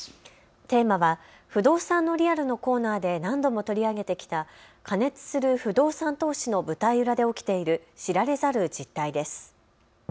テーマは不動産のリアルのコーナーで何度も取り上げてきた過熱する不動産投資の舞台裏で起きている知られざる実態です。